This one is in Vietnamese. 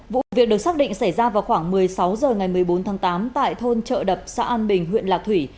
vụ việc được xác định xảy ra vào khoảng một mươi sáu h ngày một mươi bốn tháng tám tại thôn trợ đập xã an bình huyện lạc thủy